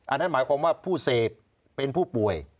อันนั้นหมายความว่าผู้เสพเป็นผู้ป่วย